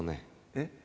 えっ？